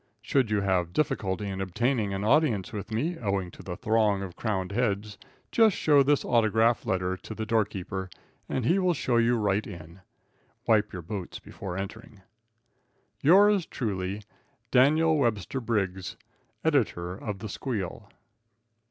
Should you have difficulty in obtaining an audience with me, owing to the throng of crowned heads, just show this autograph letter to the doorkeeper, and he will show you right in. Wipe your boots before entering. Yours truly, Daniel Webster Briggs, Editor of "The Squeal."